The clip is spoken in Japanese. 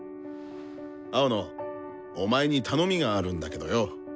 青野お前に頼みがあるんだけどよ。